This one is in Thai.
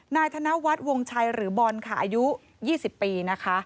นายธนวัฒน์วงชัยหรือบอลค่ะอายุ๒๐ปีนะคะ